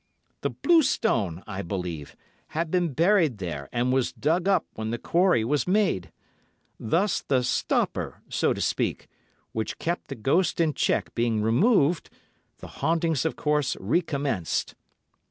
The blue stone, I believe, had been buried there and was dug up when the quarry was made; thus the stopper, so to speak, which kept the ghost in check being removed, the hauntings of course recommenced.